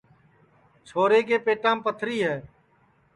چھورے کے پِتیم پتھری ہے